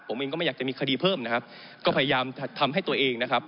ผมเองก็ไม่อยากจะมีคดีเพิ่มนะครับ